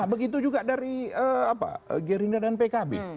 nah begitu juga dari gerinda dan pkb